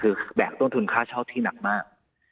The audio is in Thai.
คือแบกต้นทุนค่าเช่าที่หนักมาก